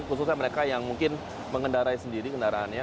khususnya mereka yang mungkin mengendarai sendiri kendaraannya